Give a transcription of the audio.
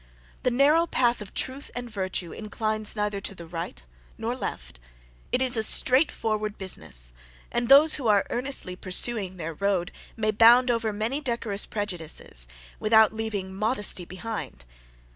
The narrow path of truth and virtue inclines neither to the right nor left, it is a straight forward business, and they who are earnestly pursuing their road, may bound over many decorous prejudices, without leaving modesty behind.